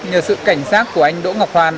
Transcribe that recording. nhờ sự cảnh sát của anh đỗ ngọc hoàn